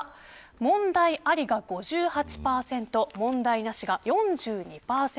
問題ありが５８％問題なしが４２％